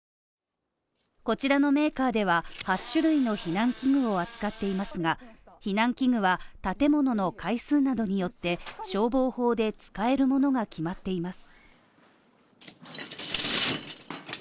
こちらのメーカーでは８種類の避難器具を扱っていますが、避難器具は建物の階数などによって消防法で使えるものが決まっています。